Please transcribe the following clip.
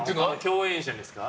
共演者ですか？